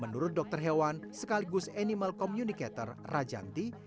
menurut dokter hewan sekaligus animal communicator rajanti